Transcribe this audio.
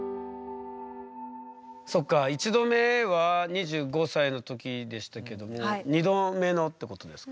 そっか１度目は２５歳の時でしたけども２度目のってことですか？